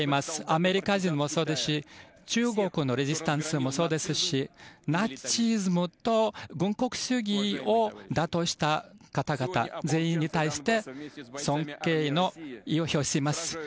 アメリカ人もそうですし中国のレジスタンスもそうですしナチズムと軍国主義を打倒した方々全員に対して尊敬の意を表します。